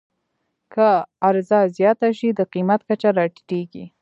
که عرضه زیاته شي، د قیمت کچه راټیټېږي.